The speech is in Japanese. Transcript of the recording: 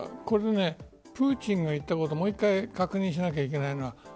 プーチンが言ったことをもう１回確認しなければいけないの。